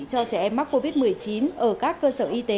cho trẻ em mắc covid một mươi chín ở các cơ sở y tế